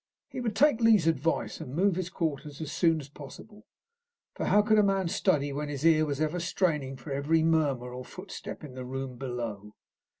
He would take Lee's advice, and move his quarters as soon as possible, for how could a man study when his ear was ever straining for every murmur or footstep in the room below?